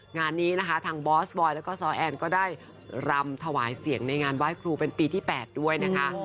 งานนี้นะคะทางบอสบอยแล้วก็ซ้อแอนก็ได้รำถวายเสียงในงานไหว้ครูเป็นปีที่๘ด้วยนะคะ